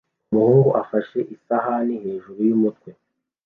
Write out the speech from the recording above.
Umuhungu ufashe isahani hejuru yumutwe